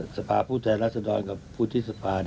สภาพูดแทนรัศดรกับผู้ที่สภา